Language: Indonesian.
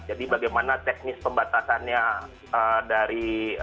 jadi bagaimana teknis pembatasannya dari